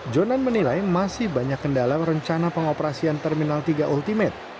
jonan menilai masih banyak kendala rencana pengoperasian terminal tiga ultimate